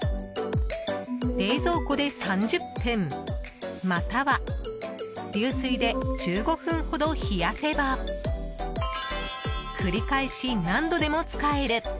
冷蔵庫で３０分または流水で１５分ほど冷やせば繰り返し何度でも使える！